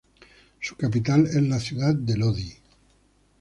Su capital es la ciudad de Lodi.